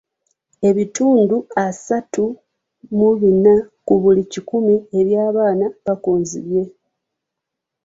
Ebitundu asatu mu bina ku buli kikumi eby'abaana bakonzibye.